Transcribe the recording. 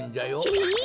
えっ！